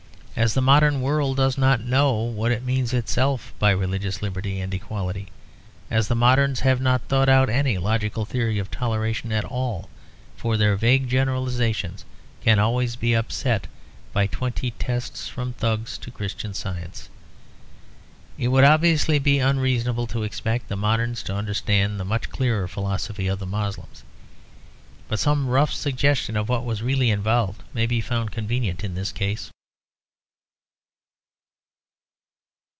As the modern world does not know what it means itself by religious liberty and equality, as the moderns have not thought out any logical theory of toleration at all (for their vague generalisations can always be upset by twenty tests from Thugs to Christian Science) it would obviously be unreasonable to expect the moderns to understand the much clearer philosophy of the Moslems. But some rough suggestion of what was really involved may be found convenient in this case.